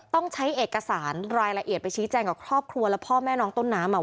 ต้องใช้เอกสารรายละเอียดไปชี้แจงกับครอบครัวและพ่อแม่น้องต้นน้ำอ่ะ